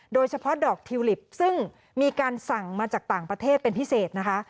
โดยเฉพาะดอกทิวลิปซึ่งมีการสั่งมาจากต่างประเทศเป็นพิเศษนะคะ